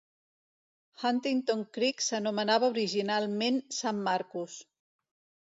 Huntington Creek s'anomenava originalment San Marcus.